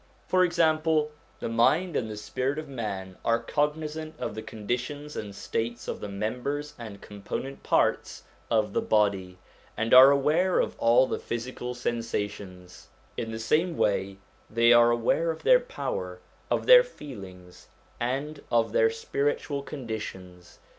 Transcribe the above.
For example, the mind and the spirit of man are cognisant of the conditions and states of the members and component parts of the body, and are aware of all the physical sensations; in the same way they are aware of their power, of their feelings, and of their 180 THE MANIFESTATIONS OF GOD 181 spiritual conditions.